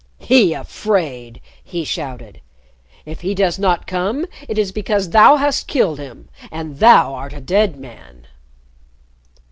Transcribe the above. "He afraid!" he shouted. "If he does not come, it is because thou hast killed him and thou art a dead man!"